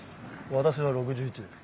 私は６１です。